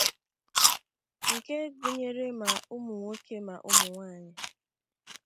nke gụnyere ma ụmụnwoke ma ụmụnwaanyị.